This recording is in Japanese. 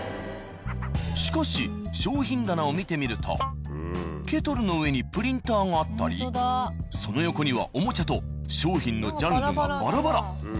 しかし商品棚を見てみるとケトルの上にプリンターがあったりその横にはおもちゃと商品のジャンルがバラバラ。